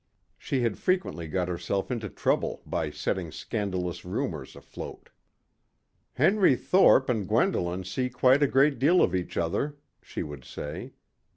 She had frequently got herself into trouble by setting scandalous rumors afloat. "Henry Thorpe and Gwendolyn see quite a great deal of each other," she would say.